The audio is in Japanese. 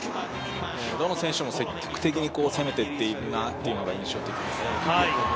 どの選手も積極的に攻めていっているなというのが印象的ですね。